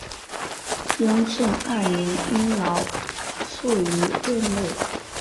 雍正二年因劳卒于任内。